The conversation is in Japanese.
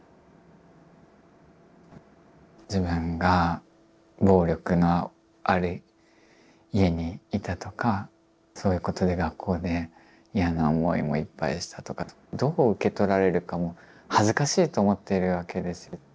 自分が暴力のある家にいたとかそういうことで学校で嫌な思いもいっぱいしたとかどう受け取られるかも恥ずかしいと思ってるわけですよ。